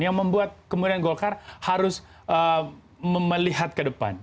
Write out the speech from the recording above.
yang membuat kemudian golkar harus melihat ke depan